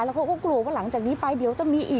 แล้วเขาก็กลัวว่าหลังจากนี้ไปเดี๋ยวจะมีอีก